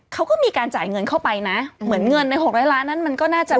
เขาก็มีการจ่ายเงินเข้าไปนะเหมือนเงินในหกร้อยล้านนั้นมันก็น่าจะ